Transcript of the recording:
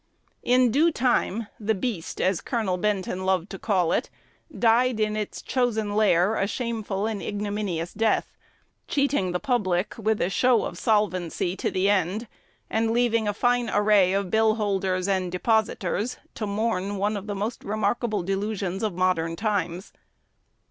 In due time the "beast," as Col. Benton loved to call it, died in its chosen lair a shameful and ignominious death, cheating the public with a show of solvency to the end, and leaving a fine array of bill holders and depositors to mourn one of the most remarkable delusions of modern times.